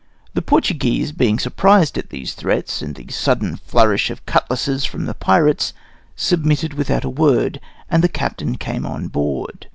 The Portuguese, being surprised at these threats, and the sudden flourish of cutlasses from the pirates, submitted without a word, and the captain came on board.